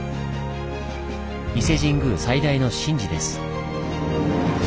伊勢神宮最大の神事です。